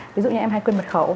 ví dụ như em hay quên mật khẩu